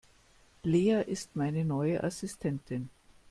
Lea ist meine neue Assistentin.